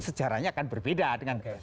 sejarahnya akan berbeda dengan